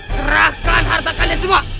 serahkan harta kalian semua